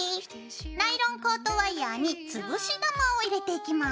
ナイロンコートワイヤーにつぶし玉を入れていきます。